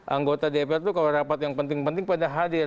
anggota dpr itu kalau rapat yang penting penting pada hadir